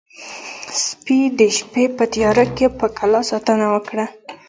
سپي د شپې په تیاره کې د کلا ساتنه وکړه.